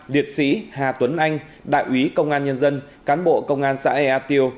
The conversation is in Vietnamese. ba liệt sĩ hà tuấn anh đại quý công an nhân dân cán bộ công an xã ea tiêu